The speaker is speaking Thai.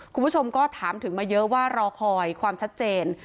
คุณผู้ชมก็ถามถึงมาเยอะว่ารอคอยความชัดเจน